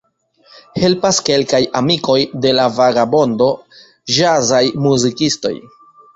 Helpas kelkaj amikoj de la vagabondo, ĵazaj muzikistoj.